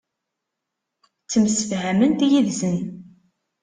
Ttemsefhament yid-sen.